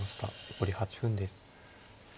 残り８分です。